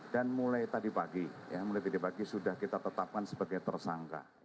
dan mulai tadi pagi mulai tadi pagi sudah kita tetapkan sebagai tersangka